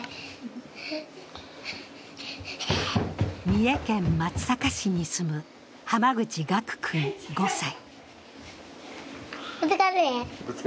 三重県松阪市に住む浜口賀久君５歳。